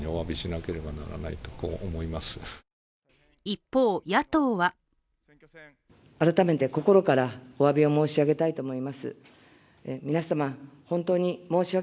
一方、野党は改めて心からおわびを申し上げたいと思います。